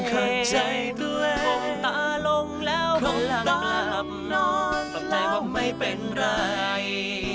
ของตาลงแล้วหลั่นกลับฝังใจว่าไม่เป็นไร